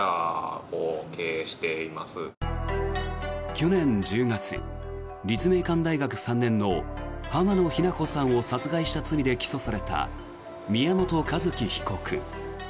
去年１０月、立命館大学３年の浜野日菜子さんを殺害した罪で起訴された宮本一希被告。